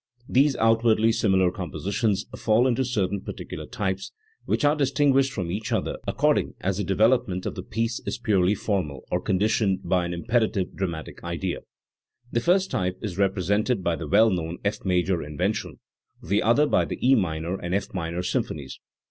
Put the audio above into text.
These outwardly similar compositions fall into certain particular types, which are distinguished from each other according as the development of the piece is purely formal or conditioned by an imperative dramatic idea. The first type is represented by the well known F major Invention, the other by the E minor and F minor symphonies.